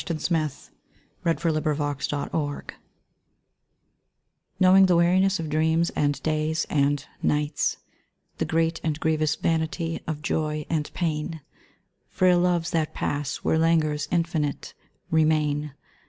A >J Ivy *' ^"V V^ / r '^^(•« ALEXANDRINES Knowing the weariness of dreams, and days, and nights, The great and grievous vanity of joy and pain; Frail loves that pass, where languors infinite remain.